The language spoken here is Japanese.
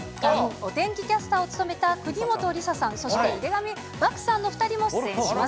お天気キャスターを務めた、国本梨紗さん、そして井手上獏さんの２人も出演します。